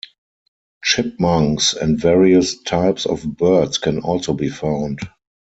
Chipmunks and various types of birds can also be found.